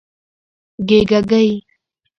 🦔 ږېږګۍ